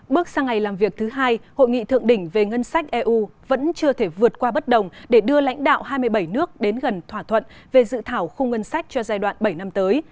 bước sang ngày làm việc thứ hai hội nghị thượng đỉnh về ngân sách eu vẫn chưa thể vượt qua bất đồng để đưa lãnh đạo hai mươi bảy nước đến gần thỏa thuận về dự thảo khung ngân sách cho giai đoạn bảy năm tới